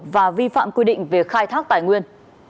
và vi phạm quy định về khai thác tài nguyên